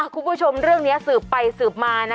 คุณผู้ชมเรื่องนี้สืบไปสืบมานะ